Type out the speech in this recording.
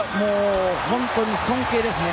本当に尊敬ですね。